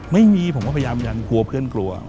ไม่มีผมก็พยายามยันกลัวเพื่อนกลัว